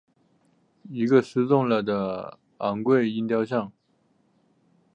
一个失纵了的昴贵鹰雕像。